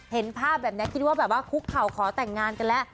เห็นภาพแบบนี้คิดว่าแบบว่าคุกเข่าขอแต่งงานกันแล้ว